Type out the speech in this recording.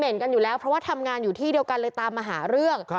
กันอยู่แล้วเพราะว่าทำงานอยู่ที่เดียวกันเลยตามมาหาเรื่อง